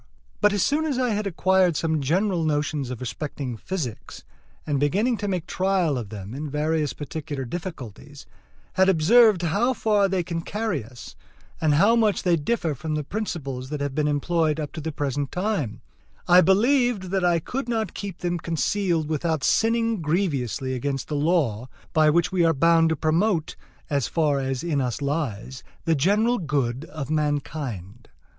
But as soon as I had acquired some general notions respecting physics, and beginning to make trial of them in various particular difficulties, had observed how far they can carry us, and how much they differ from the principles that have been employed up to the present time, I believed that I could not keep them concealed without sinning grievously against the law by which we are bound to promote, as far as in us lies, the general good of mankind.